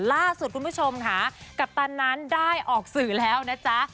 ล่าสุดคุณผู้ชมค่ะกัปตันนั้นได้ออกสื่อแล้วนะจ๊ะ